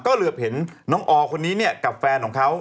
ก็เหลือเห็นน้องออคนนี้เนี่ยกับแฟนของเขา